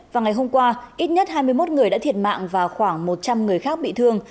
và ngày hôm qua ít nhất hai mươi một người đã thiệt mạng và khoảng một trăm linh người khác bị thương